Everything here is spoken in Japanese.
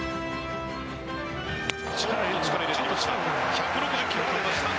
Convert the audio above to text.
ちょっと力入れてきました。